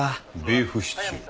ビーフシチュー。